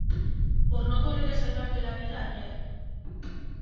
por no correr a salvarte la vida ayer.